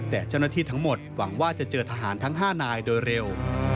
แต่เจ้าหน้าที่ทั้งหมดหวังว่าจะเจอทหารทั้ง๕นายโดยเร็ว